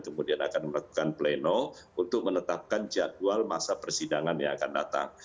kemudian akan melakukan pleno untuk menetapkan jadwal masa persidangan yang akan datang